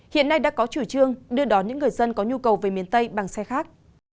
hiện nay đã có chủ trương đưa đón những người dân có nhu cầu về miền tây bằng xe khác